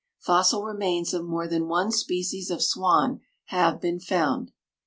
Fossil remains of more than one species of swan have been found.